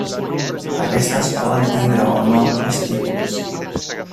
Aquestes poden tindre o no estípules.